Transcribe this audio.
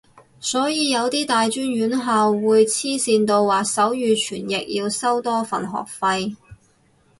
所以有啲大專院校會黐線到話手語傳譯要收多份學費